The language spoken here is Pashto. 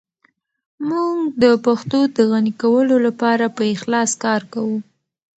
موږ د پښتو د غني کولو لپاره په اخلاص کار کوو.